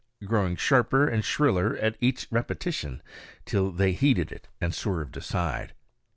_ growing sharper and shriller at each repetition, till they heeded it and swerved aside.